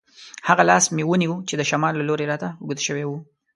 هغه لاس مې ونیو چې د شمال له لوري راته اوږد شوی وو.